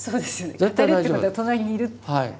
語るってことは隣にいる。